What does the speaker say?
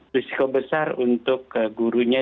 risiko besar untuk gurunya